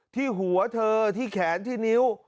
ที่หัวเธอที่แขนที่นิ้ว